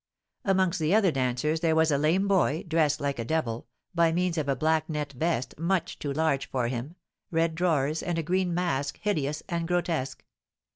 Amongst the other dancers there was a lame boy, dressed like a devil, by means of a black net vest, much too large for him, red drawers, and a green mask hideous and grotesque.